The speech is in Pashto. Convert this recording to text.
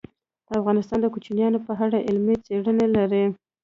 افغانستان د کوچیان په اړه علمي څېړنې لري.